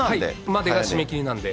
までが締め切りなんで。